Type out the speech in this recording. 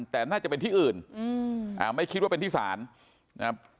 แต่น่าจะเป็นที่อื่นอืมอ่าไม่คิดว่าเป็นที่ศาลนะครับ